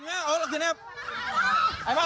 เนรขวัญชัยครับถูกอุ่มขึ้นท้ายกระบะ